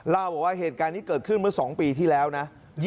เล่าบอกว่าเหตุการณ์นี้เกิดขึ้นเมื่อ๒ปีที่แล้วนะ